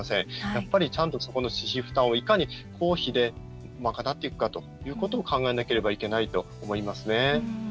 やっぱりちゃんとそこの私費負担をいかに公費で賄っていくかということも考えなければいけないと思いますね。